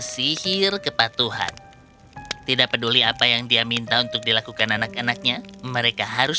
sihir kepatuhan tidak peduli apa yang dia minta untuk dilakukan anak anaknya mereka harus